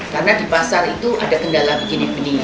karena di pasar itu ada kendala begini begini